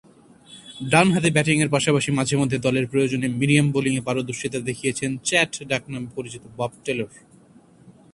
ডানহাতে ব্যাটিংয়ের পাশাপাশি মাঝে-মধ্যে দলের প্রয়োজনে মিডিয়াম বোলিংয়ে পারদর্শীতা দেখিয়েছেন ‘চ্যাট’ ডাকনামে পরিচিত বব টেলর।